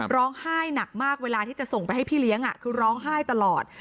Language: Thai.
ร้องไห้หนักมากเวลาที่จะส่งไปให้พี่เลี้ยงคือร้องไห้ตลอด